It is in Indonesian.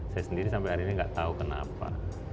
saya sendiri sampai hari ini nggak tahu kenapa